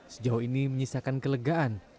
sejauh ini menyisakan kelegaan